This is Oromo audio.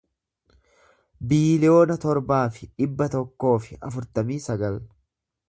biiliyoona torbaa fi dhibba tokkoo fi afurtamii sagal